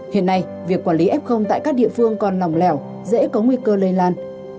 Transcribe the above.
hiện nay việc quản lý f tại các địa phương còn nòng lẻo dễ có nguy cơ lây lan